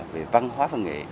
về văn hóa văn nghệ